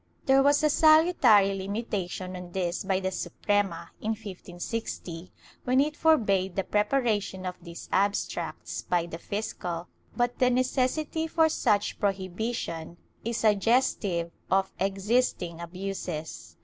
There was a salutary limitation on this by the Suprema, in 1560, when it forbade the preparation of these abstracts by the fiscal, but the necessity for such prohibition is suggestive of existing abuses.